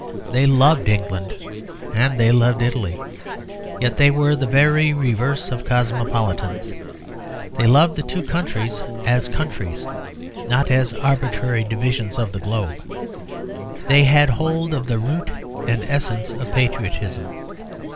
They loved England and they loved Italy; yet they were the very reverse of cosmopolitans. They loved the two countries as countries, not as arbitrary divisions of the globe. They had hold of the root and essence of patriotism.